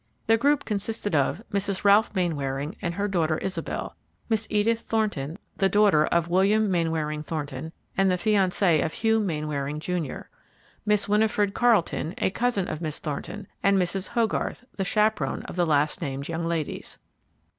The group consisted of Mrs. Ralph Mainwaring and her daughter Isabel; Miss Edith Thornton, the daughter of William Mainwaring Thornton and the fiancee of Hugh Mainwaring, Jr.; Miss Winifred Carleton, a cousin of Miss Thornton; and Mrs. Hogarth, the chaperone of the last named young ladies.